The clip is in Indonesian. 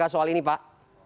kpk soal ini pak